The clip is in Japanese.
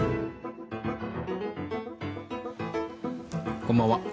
こんばんは。